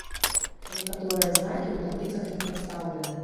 Некаторыя знакі ў табліцах не прадстаўлены.